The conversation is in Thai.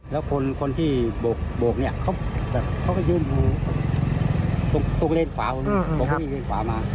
แล้วคนคนที่โบกโบกเนี้ยเขาก็ยืนตรงตรงเล่นขวาตรงเล่นขวามา